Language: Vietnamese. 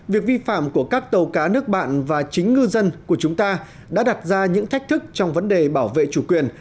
việc vi phạm của các tàu cá nước bạn và chính ngư dân của chúng ta đã đặt ra những thách thức trong vấn đề bảo vệ chủ quyền